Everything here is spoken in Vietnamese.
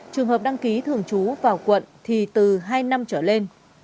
trường hợp đăng ký thường trú vào quận thì từ hai năm trở lên